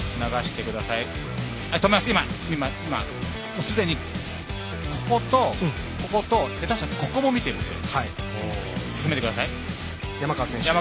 もうすでに、こことここと下手したらここも見てます。